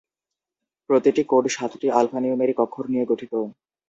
প্রতিটি কোড সাতটি আলফানিউমেরিক অক্ষর নিয়ে গঠিত।